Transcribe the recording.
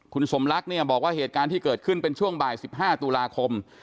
คุณสมลักษณ์เนี่ยบอกว่าเหตุการณ์ที่เกิดขึ้นเป็นช่วงบ่าย๑๕ตุลาคม